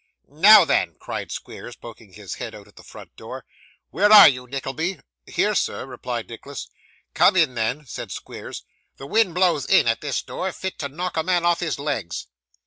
'Now then!' cried Squeers, poking his head out at the front door. 'Where are you, Nickleby?' 'Here, sir,' replied Nicholas. 'Come in, then,' said Squeers 'the wind blows in, at this door, fit to knock a man off his legs.